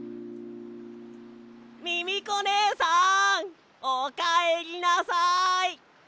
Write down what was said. ミミコねえさんおかえりなさい！